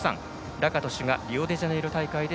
ラカトシュがリオデジャネイロ大会で